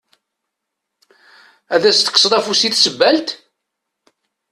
Ad as-tekkseḍ afus i tsebbalt?